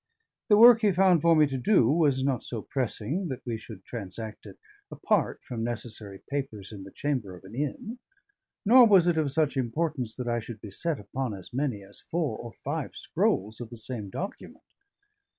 The work he found for me to do was not so pressing that we should transact it apart from necessary papers in the chamber of an inn; nor was it of such importance that I should be set upon as many as four or five scrolls of the same document.